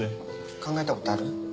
考えたことある？